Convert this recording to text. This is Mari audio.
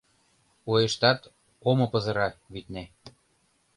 Уэштат, омо пызыра, витне.